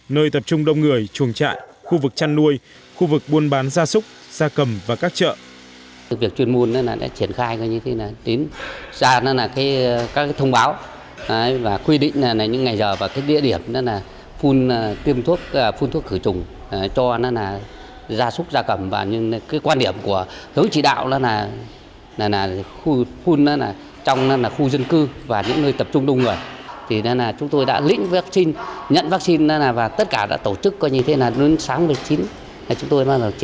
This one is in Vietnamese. nơi tập trung đông người chuồng trại khu vực chăn nuôi khu vực buôn bán gia súc gia cầm và các chợ